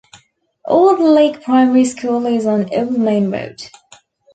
Old Leake Primary School is on Old Main Road.